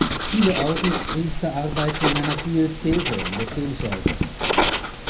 Viele Ordenspriester arbeiten in einer Diözese in der Seelsorge.